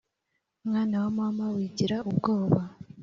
mwana wa mama wigira ubwoba